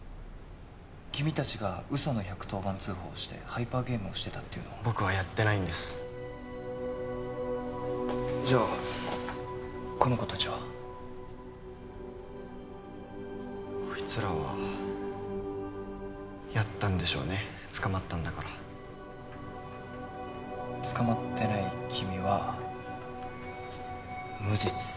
君達が嘘の１１０番通報をしてハイパーゲームをしてたっていうのは僕はやってないんですじゃあこの子達は？こいつらはやったんでしょうね捕まったんだから捕まってない君は無実？